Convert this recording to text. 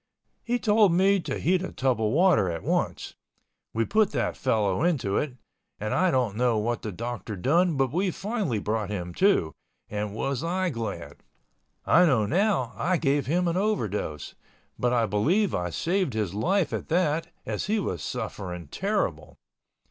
He told me to heat a tub of water at once. We put that fellow into it—and I don't know what the doctor done but we finally brought him to—and was I glad! I know now I gave him an overdose, but I believe I saved his life at that, as he was suffering terrible.